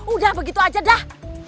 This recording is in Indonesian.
udah begitu aja dah